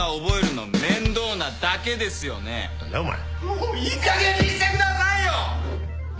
もういいかげんにしてくださいよ！